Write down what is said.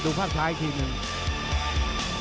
ดูภาพช้ายจริงซ์